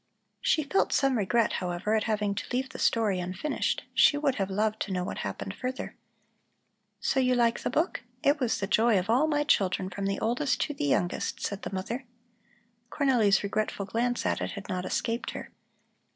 She felt some regret, however, at having to leave the story unfinished; she would have loved to know what happened further. "So you like the book? It was the joy of all my children from the oldest to the youngest," said the mother. Cornelli's regretful glance at it had not escaped her.